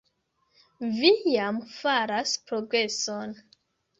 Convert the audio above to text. Vi jam faras progreson.